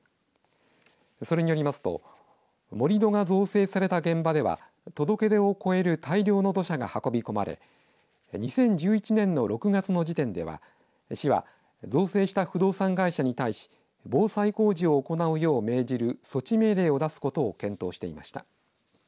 それによりますと盛り土が造成された現場では届け出を超える大量の土砂が運び込まれ２０１１年の６月の時点では市は、造成した不動産会社に対し防災工事を行うよう命じる措置命令を出すことを検討していました。